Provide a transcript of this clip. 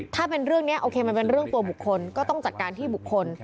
ถ้าเป็นเรื่องนี้โอเคมันเป็นเรื่องตัวบุคคลก็ต้องจัดการที่บุคคล